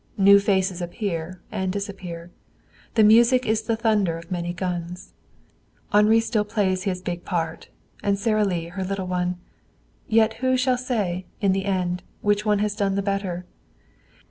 New faces appear and disappear. The music is the thunder of many guns. Henri still plays his big part, Sara Lee her little one. Yet who shall say, in the end, which one has done the better?